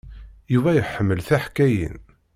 Yuba iḥemmel tiḥkayin.